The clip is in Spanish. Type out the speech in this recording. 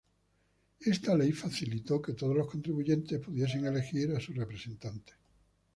Esta ley facilitó que todos los contribuyentes pudiesen elegir a sus representantes.